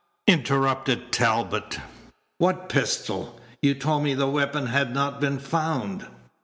interrupted Talbot. "What pistol? You told me the weapon had not been found."